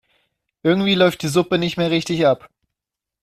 Irgendwie läuft die Suppe nicht mehr richtig ab.